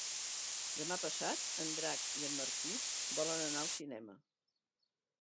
Demà passat en Drac i en Martí volen anar al cinema.